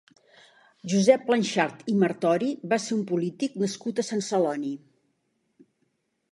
Josep Planchart i Martori va ser un polític nascut a Sant Celoni.